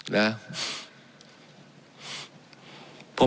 นะครับ